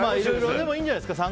いいんじゃないんですか。